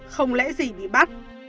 không lẽ gì bị bắt